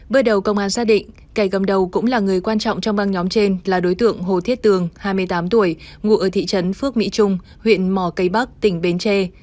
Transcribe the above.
bước đầu công an xác định kẻ cầm đầu cũng là người quan trọng trong băng nhóm trên là đối tượng hồ thiết tường hai mươi tám tuổi ngụ ở thị trấn phước mỹ trung huyện mò cây bắc tỉnh bến tre